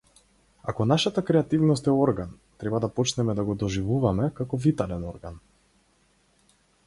Ако нашата креативност е орган, треба да почнеме да го доживуваме како витален орган.